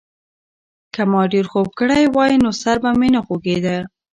که ما ډېر خوب کړی وای، نو سر به مې نه خوږېده.